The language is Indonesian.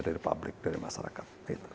dari publik dari masyarakat